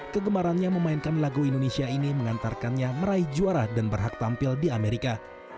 kegemarannya memainkan lagu indonesia ini mengantarkannya meraih juara dan berhak tampil di amerika